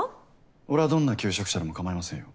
俺はどんな求職者でもかまいませんよ。